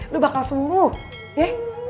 lu bakal sembuh